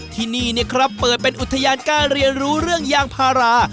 ที่นี่ครับเปิดเป็นอุทยานการเรียนรู้เรื่องยางพารา